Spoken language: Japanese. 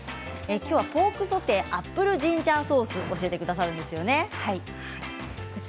きょうはポークソテーアップルジンジャーソースを教えてくださるんですよね。